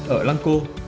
ở lăng cô